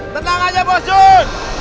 tenang aja bos jun